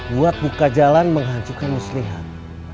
buat buka jalan menghancurkan muslihat